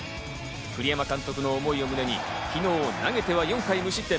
栗山監督の思いを胸に昨日、投げては４回無失点。